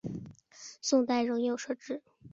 宋代仍有设置。